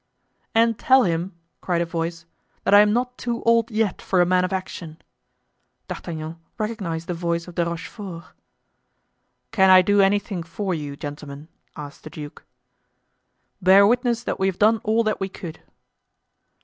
"And tell him," cried a voice, "that I am not too old yet for a man of action." D'Artagnan recognized the voice of De Rochefort. "Can I do anything for you, gentlemen?" asked the duke. "Bear witness that we have done all that we could."